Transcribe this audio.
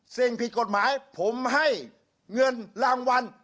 สิ่งผิดกฎหมายผมให้เงินรางวัล